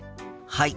はい。